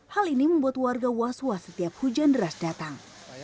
hal ini membuat warga was was setiap hujan deras datang